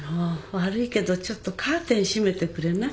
悪いけどちょっとカーテン閉めてくれない？